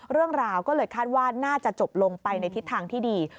เรื่องราวก็เลยคาดว่าน่าจะจบลงไปในทิศทางที่ดี